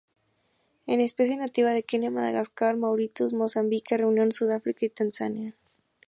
Es especie nativa de Kenia; Madagascar; Mauritius; Mozambique; Reunión; Sudáfrica y Tanzania.